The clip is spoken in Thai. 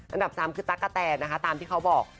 อันดับ๓คือตั๊กกะแตนนะคะตามที่เขาบอก